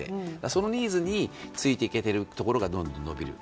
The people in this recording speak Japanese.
そのニーズについていけてるところがどんどん伸びる。